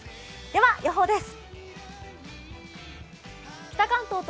では予報です。